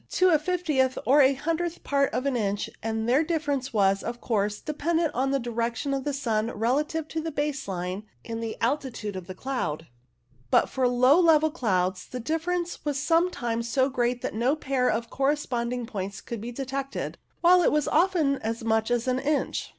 CO Q 111 X I EXETER METHODS 145 a fiftieth or a hundredth part of an inch, and their difference was, of course, dependent upon the direc tion of the sun relative to the base line and the altitude of the cloud, but for low level clouds the difference was sometimes so great that no pair of corresponding points could be detected, while it was often as much as an inch.